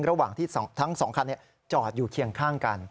ระหว่างที่ทั้ง๒คันจอดอยู่เคียงข้างกัน